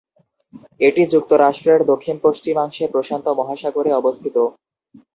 এটি যুক্তরাষ্ট্রের দক্ষিণ-পশ্চিমাংশে, প্রশান্ত মহাসাগরে অবস্থিত।